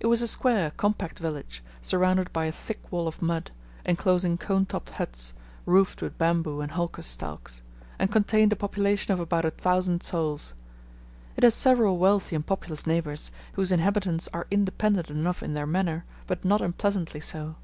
It was a square, compact village, surrounded by a thick wall of mud, enclosing cone topped huts, roofed with bamboo and holcus stalks; and contained a population of about a thousand souls. It has several wealthy and populous neighbours, whose inhabitants are independent enough in their manner, but not unpleasantly so.